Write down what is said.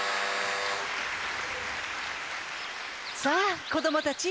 さあ子どもたち